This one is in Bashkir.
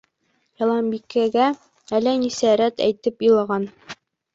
Яланбикәгә әллә нисә рәт әйтеп илаған.